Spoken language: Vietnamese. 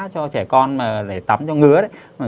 cho trẻ con để tắm cho ngứa